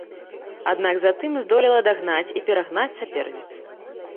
Аднак затым здолела дагнаць і перагнаць саперніц.